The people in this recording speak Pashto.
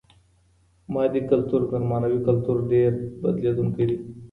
مادي کلتور تر معنوي کلتور ډېر بدلېدونکی دی.